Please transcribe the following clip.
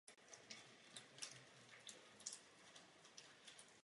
Samci i samice žijí společně a vytvářejí kolonie až o počtu stovek jedinců.